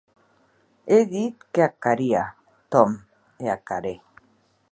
È dit qu'ac haria, Tom, e ac harè.